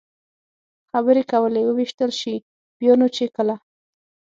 خبرې کولې، ووېشتل شي، بیا نو چې کله.